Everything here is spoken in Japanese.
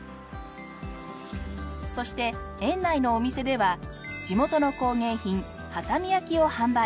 そして園内のお店では地元の工芸品波佐見焼を販売。